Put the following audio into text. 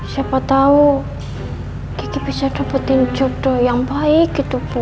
siapa tahu gigi bisa dapetin jodoh yang baik gitu bu